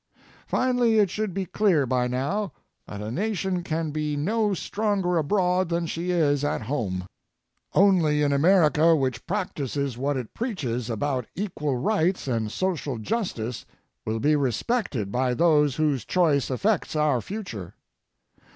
Finally, it should be clear by now that a nation can be no stronger abroad than she is at home. Only an America which practices what it preaches about equal rights and social justice will be respected by those whose choice affects our future.